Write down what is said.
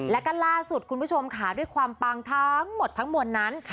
แล้วก็ล่าสุดคุณผู้ชมค่ะด้วยความปังทั้งหมดทั้งมวลนั้น